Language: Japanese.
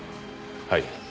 はい。